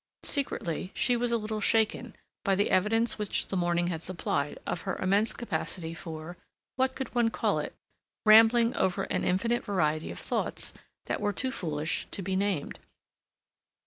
Secretly, she was a little shaken by the evidence which the morning had supplied of her immense capacity for—what could one call it?—rambling over an infinite variety of thoughts that were too foolish to be named.